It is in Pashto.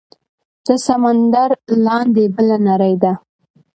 د سمندر لاندې بله نړۍ ده